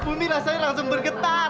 bumi rasanya langsung bergetar